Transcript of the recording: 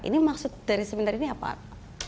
ini maksud dari seminar ini apa